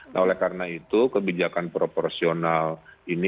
nah oleh karena itu kebijakan proporsional ini